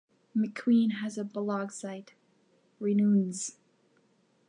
McQueen has a blog site 'renewnz.